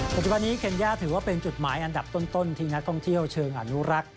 ปัจจุบันนี้เคนย่าถือว่าเป็นจุดหมายอันดับต้นที่นักท่องเที่ยวเชิงอนุรักษ์